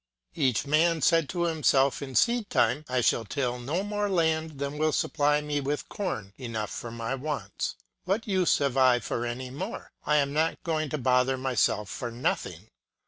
Each man said to himself in seedtime, " I shall till no more land than will supply me with corn enough for my wants. What use have I for any more? I am not going to bother myself for nothing.